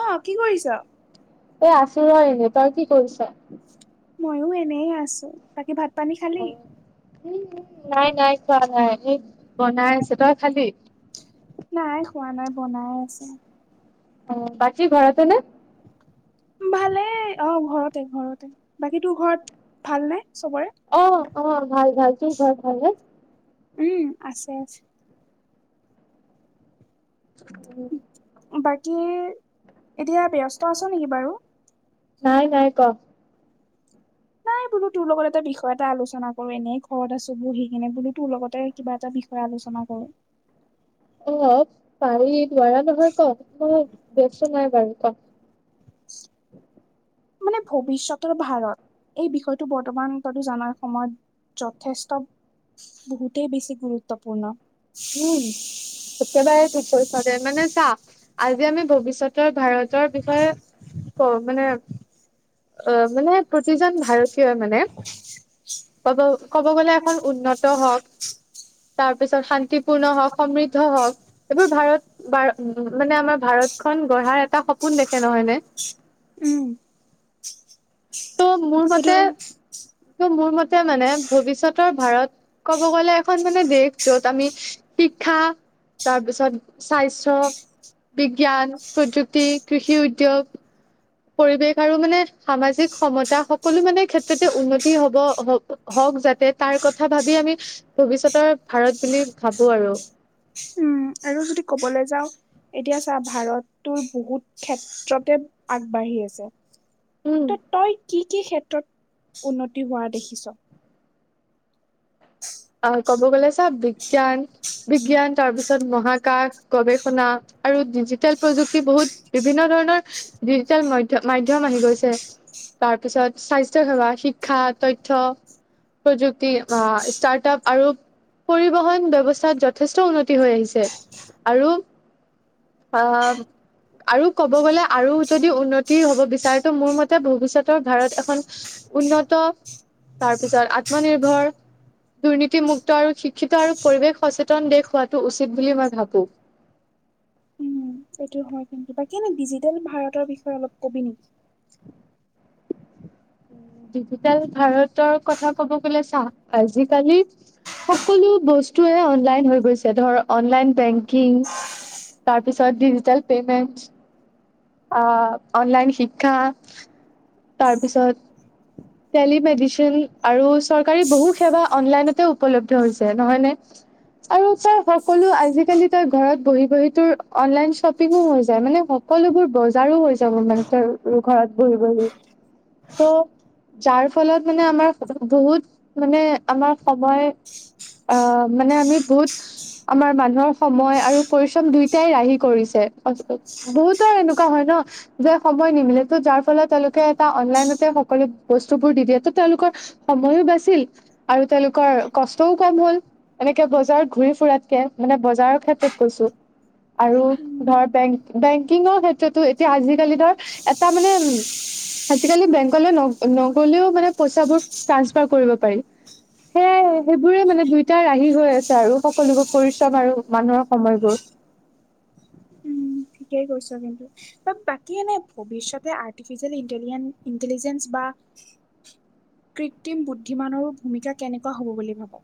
অ কি কৰিছ এ আছো ৰ এনেই তই কি কৰিছ ময়ো এনে আছো বাকী ভাত পানী খালি উ উ নাই নাই খোৱা নাই এই বনাই আছে তই খালি নাই খোৱা নাই বনাই আছে অ বাকি ঘৰতে নে বা ভালেই অ ঘৰতে ঘৰতে বাকীতো ঘৰত ভাল নাই চবৰে অ অ ভাল ভাল তোৰ ঘৰত ভাল নে উম আছে আছে উম বাকী এতিয়া ব্যস্ত আছ নেকি বাৰু নাই নাই ক নাই বোলো তোৰ লগত এটা বিষয় এটা আলোচনা কৰো এনেই ঘৰত আছো বুলো সেইকেনে বোলো তোৰ লগতে কিবা এটা বিষয়ে আলোচনা কৰোঁ। অ পাৰি নোৱাৰা নহয় ক মই বস্ত নাই বাৰু ক, মানে ভৱিষ্যতৰ ভাৰত এই বিষয়টো বৰ্তমান তো জনাৰ সময়ত- যথেষ্ট বহুতেই বেছি গুৰুত্বপূৰ্ণ। উম একেবাৰে কি চলে মানে চা আজি আমি ভৱিষ্যত উত্তৰ ভাৰতৰ বিষয়ে কওঁ মানে অ মানে প্ৰতিজন ভাৰতীয়ই মানে হয় [inaudible] [unintelligible] কব ক'ব গ'লে এখন উন্নত হওক তাৰপিছত শান্তিপূৰ্ণ হওক সমৃদ্ধ হওক। এইবোৰ ভাৰত উ মানে আমাৰ ভাৰত গঢ়াৰ এটা সপোন দেখে নহয় নে? উম ত' মোৰ মতে এইটো ত মোৰ মতে মানে ভৱিষ্যতৰ ভাৰত ক'ব গ'লে এখন মানে দেশ য'ত আমি শিক্ষা তাৰপিছত স্বাস্থ্য, বিজ্ঞান, প্ৰযুক্তি, কৃষি উদ্যোগ পৰিৱেশ আৰু মানে সামাজিক সমতা সকলো মানে ক্ষেত্ৰতে উন্নতি হব হওক যাতে তাৰ কথা ভাবি আমি ভৱিষ্যতৰ ভাৰত বুলি ভাবো আৰু। উম। আৰু যদি ক'বলৈ যাওঁ এতিয়া চা ভাৰত টোৰ বহুত ক্ষেত্ৰতে আগবাঢ়ি আছে, উম ত তই কি কি ক্ষেত্ৰত উন্নতি হোৱা দেখিছ? আহ ক'ব গ'লে চা বিজ্ঞান, বিজ্ঞান তাৰ পিছত মহাকাশ গৱেষণা আৰু ডিজিটেল প্ৰযুক্তি বহুত বিভিন্ন ধৰণৰ ডিজিটেল ম্য মাধ্যম আহি গৈছে। তাৰপিছত স্বাস্থ্য সেৱা শিক্ষা তথ্য প্ৰযুক্তি বা ষ্টাৰ্ট আপ আৰু পৰিবহণ ব্যৱস্থাত যথেষ্ট উন্নতি হৈ আহিছে। আৰু আহ আৰু ক'ব গ'লে আৰু যদি উন্নতি হব বিচাৰে তো মোৰ মতে ভৱিষ্যতৰ ভাৰত এখন উন্নত তাৰপিছত আত্মনিৰ্ভৰ দুৰ্নীতিমুক্ত আৰু শিক্ষিত আৰু পৰিৱেশ সচেতন দেশ হোৱাটো উচিত বুলি মই ভাবো। সেইটো হয় কিন্তু বাকী এনেই ডিজিটেল ভাৰতৰ বিষয়ে অলপ কবি নেকি? ডিজিটেল ভাৰতৰ কথা ক'ব গ'লে চাহ আজিকালি সকলো বস্তুয়ে অনলাইন হৈ গৈছে ধৰ অনলাইন বেংকিং তাৰ পিছত ডিজিটেল পেমেণ্ট, আহ অনলাইন শিক্ষা তাৰপিছত টেলিমেডিচিন আৰু চৰকাৰী বহু সেৱা অনলাইনতে উপলব্ধ হৈছে নহয় নে? আৰু চা সকলো আজিকালি তই ঘৰত বহি বহি তোৰ অনলাইন শ্বপিংও হৈ যায় মানে সকলোবোৰ বজাৰো হৈ যাব মাহঁতৰ ঘৰত বহি বহি ত যাৰ ফলত মানে আমাৰ বহুত মানে আমাৰ সময় অ মানে আমি বহুত আমাৰ মানুহৰ সময় আৰু পৰিশ্ৰম দুইটাই ৰাহি কৰিছে বহুতৰ এনেকুৱা ক হয় ন? যে সময় নিমিলে ত যাৰ ফলত তেওঁলোকে এটা অনলাইনতে সকলো বস্তু বোৰ দি দিয়ে ত তেওঁলোকৰ সময়ো বাচিল আৰু তেওঁলোকৰ কষ্টও কম হ'ল। এনেকে বজাৰত ঘূৰি ফুৰাতকে মানে বজাৰৰ ক্ষেত্ৰত কৈছোঁ, আৰু উম ধৰ বেং বেংকিংৰ সেই এতিয়া তোৰ ধৰ এটা মানে উম আজিকালি বেংকলৈ নগ'লেও মানে পইচাবোৰ ট্ৰানসফাৰ কৰিব পাৰি। সেয়াই, সেইবোৰে মানে দুইটাই ৰাহি হৈ আছে আৰু সকলোবোৰ পৰিশ্ৰম আৰু মানুহৰ সময়বোৰ। উম ঠিকেই কৈছ কিন্তু। বা বাকী এনে ভৱিষ্যতে আৰ্টিফিচিয়েল ইণ্টেলিজেন্ঞ্চ বা কৃত্ৰিম বুদ্ধিমানৰো ভূমিকা কেনেকুৱা হ'ব বুলি ভাব?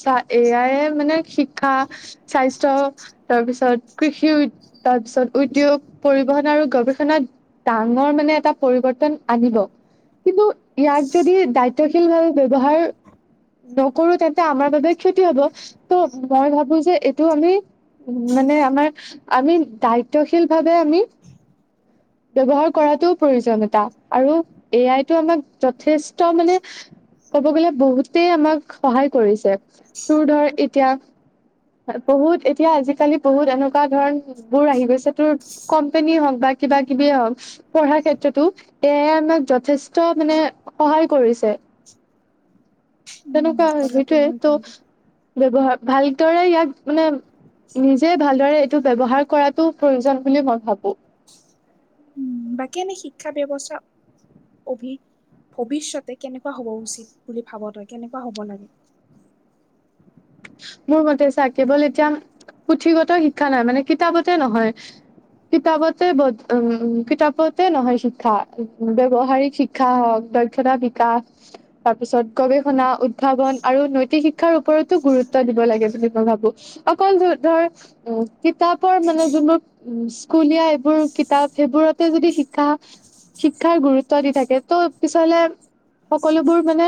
চা, এ আই য়ে মানে শিক্ষা স্বাস্থ্য তাৰপিছত কৃষি তাৰপিছত উদ্যোগ পৰিবহন আৰু গৱেষণাত ডাঙৰ মানে এটা পৰিৱৰ্তন আনিব। কিন্তু ইয়াক যদি দায়িত্বশীল ভাৱে ব্যৱহাৰ নকৰো তেন্তে আমাৰ বাবে ক্ষতি হ'ব, ত' মই ভাবো যে এইটো আমি- উমঁ' মানে আমাৰ আমি দায়িত্বশীল ভাৱে আমি- ব্যৱহাৰ কৰাটো প্ৰয়োজন এটা আৰু- এ আই টো আমাক যথেষ্ট মানে ক'ব গ'লে বহুতে আমাক সহায় কৰিছে, তোৰ ধৰ এতিয়া- বহুত এতিয়া আজিকালি বহুত এনেকুৱা ধৰণ বোৰ আহি গৈছে, তোৰ কোম্পনী হওঁক বা কিবা কিবিয়ে হওক। পঢ়াৰ ক্ষেত্ৰতো এয়াই আমাক যথেষ্ট মানে সহায় কৰিছে। উম তেনেকুৱা কথাটো সেইটোৱেই, হয় ত' কিন্তু ব্যৱহাৰ ভালদৰে ইয়াক মানে নিজে ভালদৰে এইটো ব্যৱহাৰ কৰাটো প্ৰয়োজন বুলি মই ভাবো। উম বাকী এনেই শিক্ষা ব্যৱস্থা অভি, ভৱিষয়তে কেনেকুৱা হ'ব উচিত বুলি ভাব তই কেনেকুৱা হ'ব লাগে? মোৰ মতে চা কেৱল এতিয়া পুথিগত শিক্ষা নহয় মানে কিতাপতে নহয়- কিতাপতে ব উমঁ' কিতাপতে নহয় শিক্ষা, ব্যৱহাৰিক শি শিক্ষা হওক, দক্ষণা বিকাশ- তাৰ পিছত গৱেষণা, উদ্ভাৱন আৰু নৈতিক শিক্ষাৰ ওপৰত- টো গুৰুত্ব দিব লাগে বুলি মই ভাবো, অকল ধৰ কিতাপৰ মানে যোনবোৰ উমঁ স্কুলীয়া এইবোৰ কিতাপ সেইবোৰতে যদি শিক্ষা- শিক্ষাৰ গুৰুত্ব দি থাকে ত' পিছলে- সকলোবোৰ মানে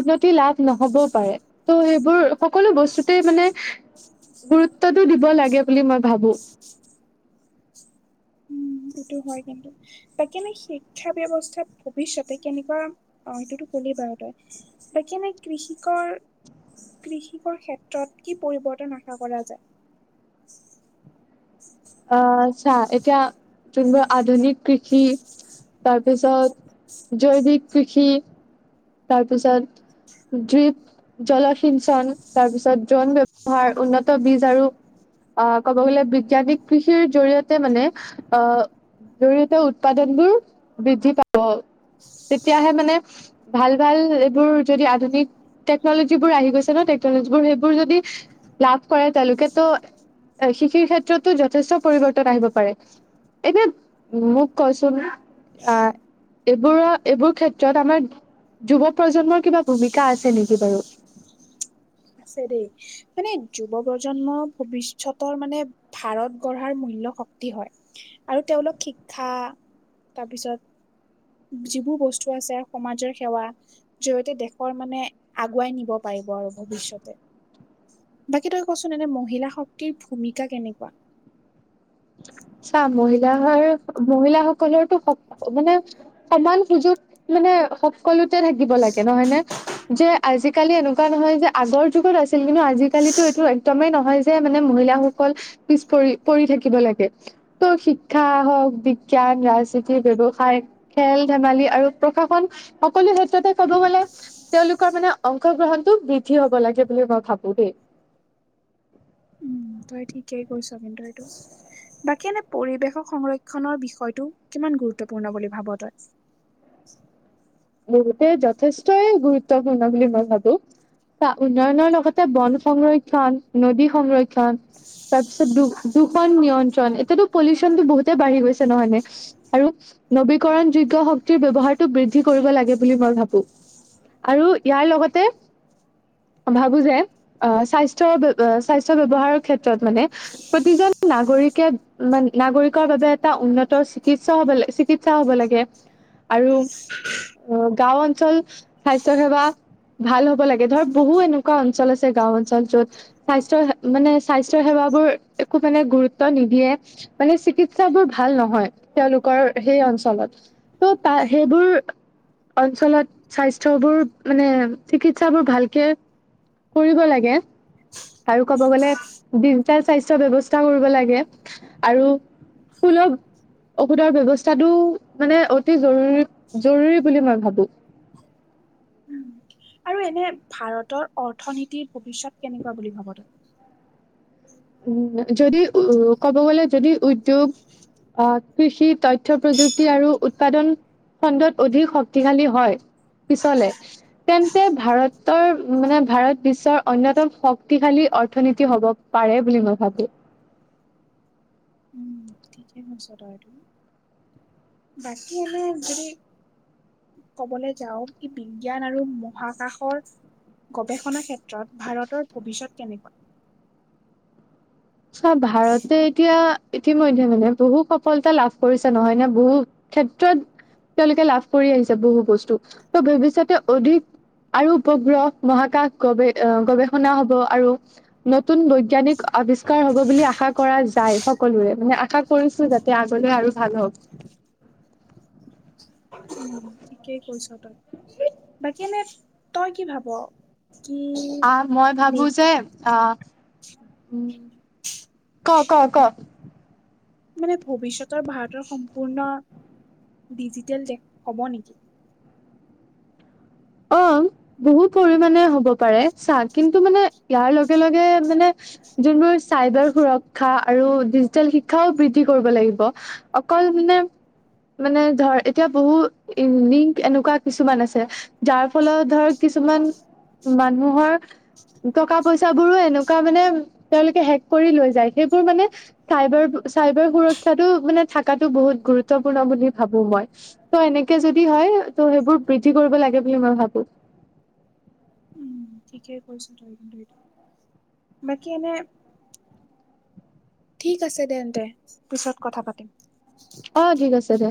উন্নতি লাভ নহবও পাৰে, ত' সেই বোৰ সকলো বস্তুতে মানে গুৰুত্বটো দিব লাগে বুলি মই ভাবোঁ। উম সেইটো হয় কিন্তু। তাকে লৈ শিক্ষা ব্যৱস্থাত ভৱিষ্যতে কেনেকুৱা, অ', সেইটোতো ক'লিয়েই বাৰু তই। তাকে এনেই কৃষিক কৃষিকৰ ক্ষেত্ৰত কি পৰিৱৰ্তন আশা কৰা যায়? আহ', চা, এতিয়া যোনবোৰ আধুনিক কৃষি তাৰপিছত জৈৱিক কৃষি- তাৰপিছত ড্ৰিপ জলসিঞ্চন তাৰ পিছত ড্ৰন ব্যৱহাৰ, উন্নত বীজ আৰু- আহ' ক'ব গ'লে বিজ্ঞানিক কৃষিৰ জৰিয়তে মানে অহ'- জৰি়য়তে উৎপাদনবোৰ বৃদ্ধি পাব, তেতিয়াহে মানে ভাল ভাল এইবোৰ যদি আধুনিক টেকনলজীবোৰ আহি গৈছে ন' টেকনলজীবোৰ সেইবোৰ যদি- লাভ কৰে, তেওঁলোকেতো শৃষিৰ ক্ষেত্ৰতো যথেষ্ট পৰিৱৰ্তন আহিব পাৰে। এতিয়া মোক কচোন। আহ' এইবোৰ-এইবোৰ ক্ষেত্ৰত আমাৰ যুৱ প্ৰজন্মৰ কিবা ভূমিকা আছে নেকি বাৰু? আছে দেই, মানে যুৱ প্ৰজন্মৰ ভবিষ্যতৰ মানে ভাৰত গঢ়াৰ মূল্য শক্তি হয়, আৰু তেওঁলোক শিক্ষা তাৰপিছত, যিবোৰ বস্তু আছে, সমাজৰ সেৱা জৰিয়তে দেশৰ মানে, আগুৱাই নিব পাৰিব আৰু ভৱিষ্যত। বাকী তই ক'চোন এনে মহিলা শক্তিৰ ভূমিকা কেনেকুৱা? চা মহিলৰ, মহিলাসকলৰো স মানে সমান সুযোগ, মানে স সকলোতে থাকিব লাগে নহয় নে, যে আজিকালি এনেকুৱা নহয় যে, আগৰ যুগত আছিল কিন্তু আজিকালিতো এইটো এক্দমেই নহয় যে, মানে মহিলাসকল পিছ পৰি, পৰি থাকিব লাগে। ত' শিক্ষা হওক, বিজ্ঞান, ৰাজনীতি, ব্যৱসায়। খেল ধেমালি আৰু প্ৰশাসন, সকলো ক্ষেত্ৰতে ক'ব গলে, তেওঁলোকৰ মানে অংশগ্ৰহণতটো বৃদ্ধি হ'ব লাগে বুলি মই ভাবো দেই। উম, তই ঠিকেই কৈছ কিন্তু এইটো। বাকী এনে পৰিৱেশৰ সংৰক্ষণৰ বিষয়টো, কিমান গুৰুত্বপূৰ্ণ বুলি ভাব তই। বহুতে যথেষ্টই গুৰুত্বপূৰ্ণ বুলি মই ভাবো। উন্নয়নৰ লগতে বন সংৰক্ষন, নদী সংৰক্ষন। তাৰপিছত দু দুষন নিয়ন্ত্ৰণ, এতিয়াতো পলিউচনটো বহুতে বাঢ়ি গৈছে, নহয়নে? আৰু, নবীকৰণ যোগ্য শক্তিৰ ব্যৱহাৰটো বৃদ্ধি কৰিব লাগে বুলি মই ভাবো, আৰু ইয়াৰ লগতে ভাবো যে, আহ স্বাস্থ্যৰ, স্বাস্থ্য ব্যৱহাৰৰ ক্ষেত্ৰত মানে প্ৰতিজন নাগৰিকে, মান নাগৰিকৰ বাবে এটা উন্নত চিকিৎসা হ'ব লাগে, চিকিৎসা চিকিৎসা হ'ব লাগে, আৰু [inaudible] অ', গাঁও অঞ্চল, স্বাস্থ্য সেৱা ভাল হ'ব লাগে, ধৰ বহু এনেকুৱা অঞ্চল আছে গাওঁ অঞ্চল য'ত স্বাস্থ্য, মানে স্বাস্থ্্য সেৱাবোৰ একো মানে গুৰুত্ব নিদিয়ে। মানে চিকিৎসাবোৰ ভাল নহয়, তেওঁলোকৰ সেই অঞ্চলত, ত' তো সেইবোৰ অঞ্চলত, স্বাস্থ্যবোৰ মানে, চিকিৎসাবোৰ ভালকে কৰিব লাগে। আৰু ক'ব গ'লে, ডিজিটেল স্বাস্থ্যৰ ব্যৱস্থা কৰিব লাগে, আৰু সুলভ ঔষধৰ ব্যৱস্থাটো, মানে অতি জৰুৰী, জৰুৰী বুলি মই ভাবো। উম, আৰু এনে, ভাৰতৰ অৰ্থনীতিৰ ভৱিষ্যত কেনেকুৱা বুলি ভাব তই? উম, যদি উ ক'ব গ'লে যদি উদ্যোগ আ কৃষি তথ্য প্ৰযুক্তি আৰু উৎপাদন খণ্ডত অধিক শক্তিশালী হয়, পিছলে। তেন্তে ভাৰতৰ, মানে ভাৰত বিশ্বৰ অন্যতম শক্তিশালী অৰ্থনীতি হ'ব পাৰে বুলি মই ভাবো। উম, [unintelligible] বাকী এনে যদি ক'বলৈ যাওঁ, কি বিজ্ঞান আৰু মহাকাশৰ গৱেষণাৰ ক্ষেত্ৰত ভাৰতৰ ভৱিষ্যত কেনেকুৱা? চা ভাৰতে এতিয়া, ইতিমধ্যে মানে, বহু সফলতা লাভ কৰিছে, নহয় নে, বহু ক্ষেত্ৰত, তেওঁলোকে লাভ কৰি আহিছে বহু বস্তু ত ভৱিষ্যতে অধিক আৰু উপগ্ৰহ মহাকাশ গৱ গৱেষণা হ'ব আৰু নতুন বৈজ্ঞানিক আবিষ্কাৰ হ'ব বুলি আশা কৰা যায় সকলোৰে, মানে আশা কৰিছো যাতে আগলৈ আৰু ভাল হওঁক। উম, ঠিকেই কৈছ তই, বাকী এনে তই কি ভাব? কি? অ মই নে ভাবো যে অ উ ক ক ক মানে ভৱিষ্যতৰ ভাৰতৰ সম্পূৰ্ণ ডিজিটেল দেশ হ'ব নেকি অ বহু পৰিমাণে হ'ব পাৰে চা কিন্তু মানে ইয়াৰ লগে লগে মানে যোনবোৰ চাইবাৰ সুৰক্ষা আৰু ডিজিটেল শিক্ষাও বৃদ্ধি কৰিব লাগিব অকল মানে মানে ধৰ, এতিয়া বহু লিংক এনেকুৱা কিছুমান আছে। যাৰ ফলত ধৰ কিছুমান মানুহৰ টকা পইচাবোৰো এনেকুৱা মানে তেওঁলোকে হেক কৰি লৈ যায়, সেইবোৰ মানে চাইবাৰ চাইবাৰ সুৰক্ষাটো মানে থাকাটো বহুত গুৰুত্বপূৰ্ণ বুলি ভাবো মই ত এনেকে যদি হয় ত' সেইবোৰ বৃদ্ধি কৰিব লাগে বুলি মই ভাবো উম, ঠিকেই কৈছ তই কিন্তু এইটো বাকী এনে ঠিক আছে তেন্তে পিছত কথা পাতিম অ ঠিক আছে দে